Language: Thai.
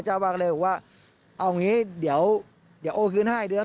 แต่วังเราว่าเอาอย่างนี้เดี๋ยวเดี๋ยวโกรธขึ้นให้ด้วยนะ